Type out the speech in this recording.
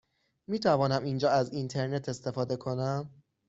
می توانم اینجا از اینترنت استفاده کنم؟